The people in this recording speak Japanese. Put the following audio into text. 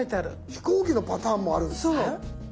飛行機のパターンもあるんすね。